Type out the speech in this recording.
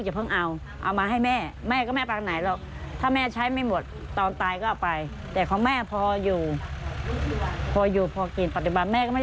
ยังไม่ต้องให้ชะบ้ารู้อันนี้อะไร